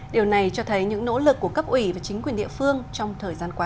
điều này cho thấy những nỗ lực của cấp ủy và chính quyền địa phương trong thời gian qua